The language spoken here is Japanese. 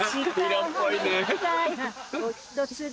色っぽいね。